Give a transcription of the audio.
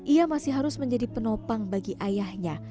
ia masih harus menjadi penopang bagi ayahnya